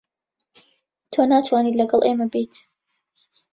تۆ ناتوانیت لەگەڵ ئێمە بێیت.